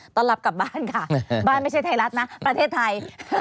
ตอนรับกลับบ้านค่ะบ้านไม่ใช่ไทยรัฐนะประเทศไทย